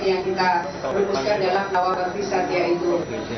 yang kita rumuskan dalam nawab bagri satya itu